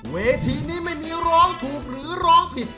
เวทีนี้ไม่มีร้องถูกหรือร้องผิด